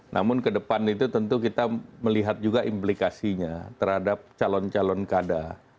namun ke depan itu tentu kita melihat juga implikasinya terhadap calon calon kada